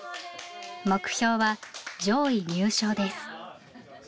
目標は上位入賞です。